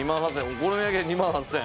お好み焼きで２万８，０００。